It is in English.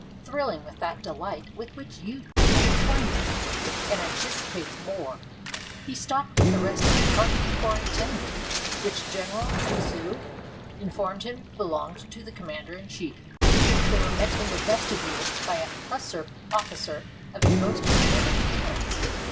Thrilling with that delight with which youth beholds wonders, and anticipates more, he stopped with the rest of the party before a tent, which General But zou informed him belonged to the commander in chief. They were met in the vestibule by a hussar officer of a most commanding appearance.